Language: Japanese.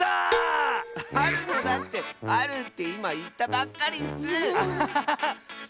あるのだってあるっていまいったばっかりッス。